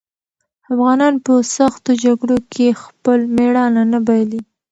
افغانان په سختو جګړو کې خپل مېړانه نه بايلي.